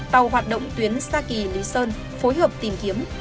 tàu hoạt động tuyến saki lý sơn phối hợp tìm kiếm